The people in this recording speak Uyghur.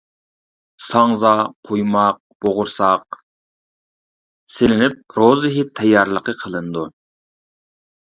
ساڭزا، قۇيماق، بوغۇرساق. سېلىنىپ، روزا ھېيت تەييارلىقى قىلىنىدۇ.